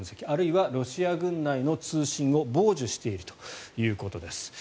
あるいはロシア軍内の通信を傍受しているということです。